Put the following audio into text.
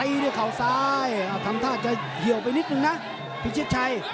ด้วยเข่าซ้ายทำท่าจะเหี่ยวไปนิดนึงนะพิชิตชัย